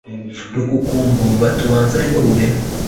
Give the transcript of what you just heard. Rukukumbo bati Ubanza ariho ruremye